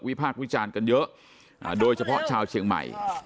พากษ์วิจารณ์กันเยอะโดยเฉพาะชาวเชียงใหม่